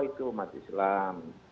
itu umat islam